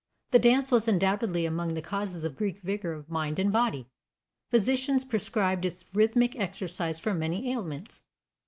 The dance was undoubtedly among the causes of Greek vigor of mind and body. Physicians prescribed its rhythmic exercise for many ailments.